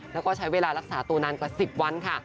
แล้วก็ใช้เวลารักษาตัวนานกว่า๑๐วันค่ะ